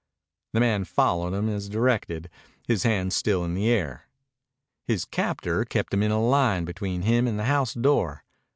The man followed him as directed, his hands still in the air. His captor kept him in a line between him and the house door.